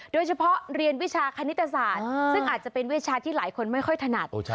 โดยเฉพาะเรียนวิชาคณิตศาสตร์ซึ่งอาจจะเป็นวิชาที่หลายคนไม่ค่อยถนัด